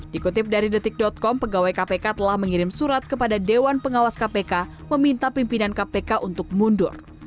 dikutip dari detik com pegawai kpk telah mengirim surat kepada dewan pengawas kpk meminta pimpinan kpk untuk mundur